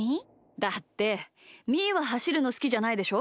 だってみーははしるのすきじゃないでしょ？